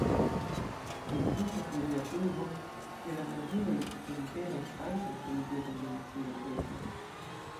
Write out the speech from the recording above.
Ekzistas nenia pruvo, ke la naĝiloj entenas ajnan pozitivan medicinan econ.